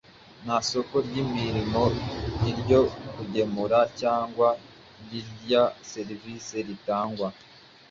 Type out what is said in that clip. nta soko ry’imirimo, iryo kugemura cyangwa irya serivisi ritangwa